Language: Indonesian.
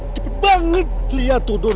cepet banget lihat tuh dulu